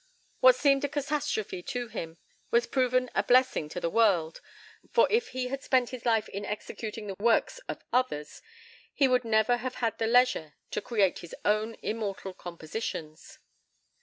What seemed a catastrophe to him has proven a blessing to the world, for, if he had spent his life in executing the works of others, he would never have had the leisure to create his own immortal compositions.